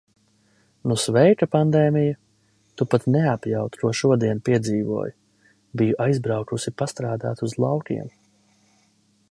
Nu sveika, pandēmija! Tu pat neapjaut, ko šodien piedzīvoju. Biju aizbraukusi pastrādāt uz laukiem.